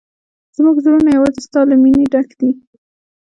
زموږ زړونه یوازې ستا له مینې ډک دي.